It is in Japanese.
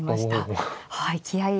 はい。